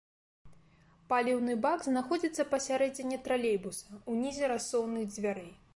Паліўны бак знаходзіцца пасярэдзіне тралейбуса, унізе рассоўных дзвярэй.